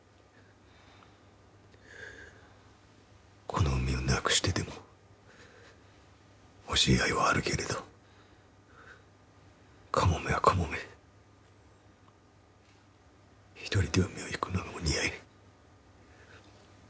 「この海を失くしてでもほしい愛はあるけれどかもめはかもめひとりで海をゆくのがお似合い」。